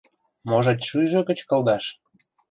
Можыч, шӱйжӧ гыч кылдаш?